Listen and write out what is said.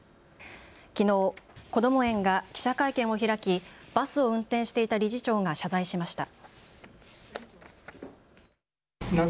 きのうこども園が記者会見を開きバスを運転していた理事長が謝罪しました。